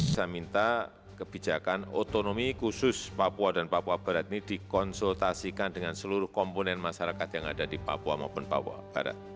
saya minta kebijakan otonomi khusus papua dan papua barat ini dikonsultasikan dengan seluruh komponen masyarakat yang ada di papua maupun papua barat